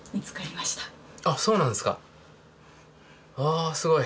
あすごい。